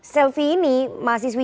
selfie ini mahasiswi